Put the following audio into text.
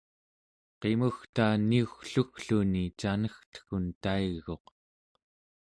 qimugta niuggluggluni canegteggun taiguq